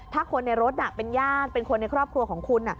ถ้าคนในรถเป็นญาติเป็นคนในครอบครัวของคุณ